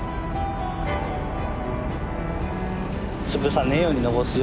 潰さねえように残す。